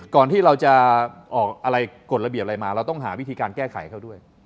ก่อนที่เราจะออกอะไรกฎระเบียบอะไรมาเราต้องหาวิธีการแก้ไขเขาด้วย